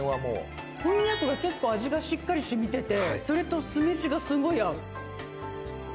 こんにゃくが結構味がしっかり染みててそれと酢飯がすごい合う。